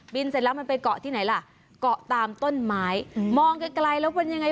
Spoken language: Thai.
เสร็จแล้วมันไปเกาะที่ไหนล่ะเกาะตามต้นไม้มองไกลไกลแล้วเป็นยังไง